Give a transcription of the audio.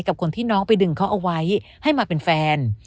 กับคนที่น้องไปดึงเขาเอาไว้ให้มาเป็นแฟน